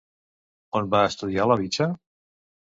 On va estudiar La Bicha?